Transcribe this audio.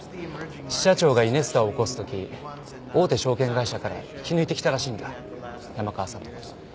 支社長がイネスタを興す時大手証券会社から引き抜いてきたらしいんだ山川さんの事。